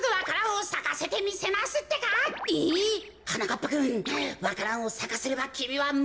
なかっぱくんわか蘭をさかせればきみはむざいだ。